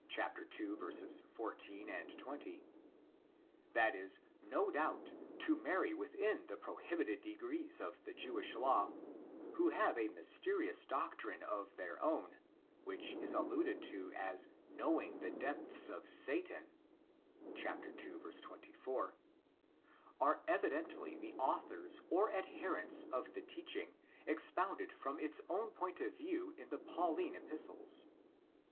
14, 20) —that is, no doubt, to marry within the prohibited degrees of the Jewish law; who have a mysterious doctrine of their own, which is alluded to as " knowing the depths of Satan" (ii. 24)—are evidently the authors or adherents of the teaching expounded from its own point of view in the Pauline Epistles.